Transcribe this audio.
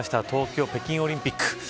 冬季北京オリンピック。